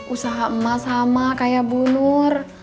usaha emak sama kayak bu nur